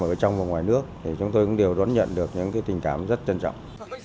ở trong và ngoài nước thì chúng tôi cũng đều đón nhận được những tình cảm rất trân trọng